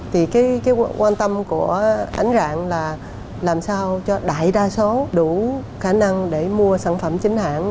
thì cái quan tâm của ánh rạng là làm sao cho đại đa số đủ khả năng để mua sản phẩm chính hãng